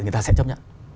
người ta sẽ chấp nhận